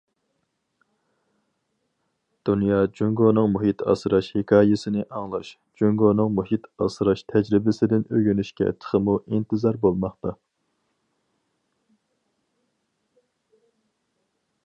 دۇنيا جۇڭگونىڭ مۇھىت ئاسراش ھېكايىسىنى ئاڭلاش، جۇڭگونىڭ مۇھىت ئاسراش تەجرىبىسىدىن ئۆگىنىشكە تېخىمۇ ئىنتىزار بولماقتا.